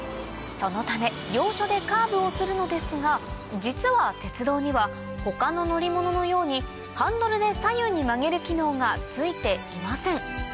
そのため要所でカーブをするのですが実は鉄道には他の乗り物のようにハンドルで左右に曲げる機能が付いていません